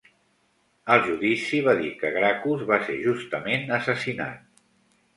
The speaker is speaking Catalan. Al judici, va dir que Gracchus va ser justament assassinat.